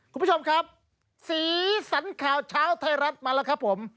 คุณผู้ชมครับสีสันข่าวเช้าไทยรัฐมาแล้วครับผม